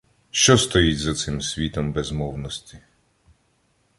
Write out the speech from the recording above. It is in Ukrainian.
Що стоїть за цим світом безмовності?